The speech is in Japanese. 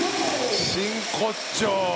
真骨頂。